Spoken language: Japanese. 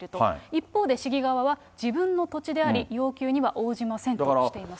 一方で市議側は、自分の土地であり、要求には応じませんとしています。